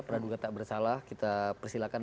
praduga tak bersalah kita persilahkan